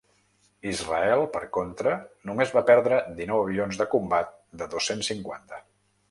Israel, per contra, només va perdre dinou avions de combat de dos-cents cinquanta.